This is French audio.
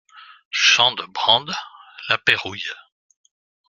Champs de Brande, La Pérouille